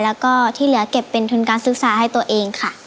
แล้วก็ที่เหลือเก็บเป็นทุนการศึกษาให้ตัวเองค่ะ